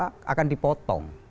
karena akan dipotong